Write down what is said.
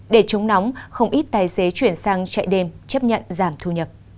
để chống nóng không ít tài xế chuyển sang chạy đêm chấp nhận giảm thu nhập